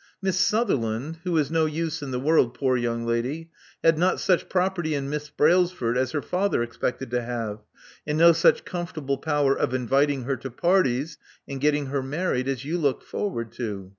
Miss Sutherland — who is no use in the world, poor young lady — had not such property in Miss Brailsford as her father expected to have, and no such comfortable power of inviting her to parties and getting her married as you look forward to.